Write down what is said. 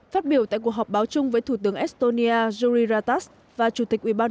phát biểu tại cuộc họp báo chung với thủ tướng estonia juri ratas và chủ tịch ubnd